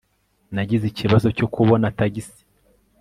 nagize ikibazo cyo kubona tagisi